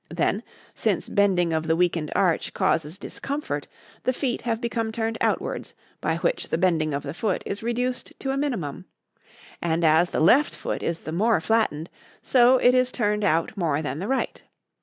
Then, since bending of the weakened arch causes discomfort, the feet have become turned outwards, by which the bending of the foot is reduced to a minimum; and as the left foot is the more flattened, so it is turned out more than the right.